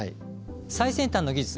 最先端の技術